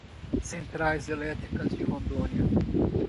Centrais Elétricas de Rondônia